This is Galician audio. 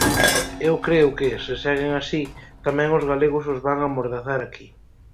E eu creo que, se seguen así, tamén os galegos os van amordazar aquí.